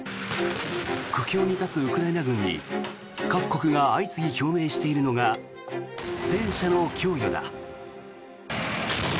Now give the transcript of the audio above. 苦境に立つウクライナ軍に各国が相次ぎ表明しているのが戦車の供与だ。